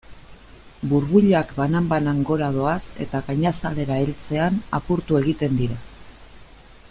Burbuilak banan-banan gora doaz eta gainazalera heltzean apurtu egiten dira.